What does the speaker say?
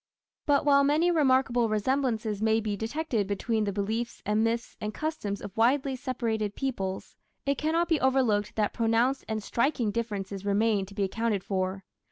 But while many remarkable resemblances may be detected between the beliefs and myths and customs of widely separated peoples, it cannot be overlooked that pronounced and striking differences remain to be accounted for.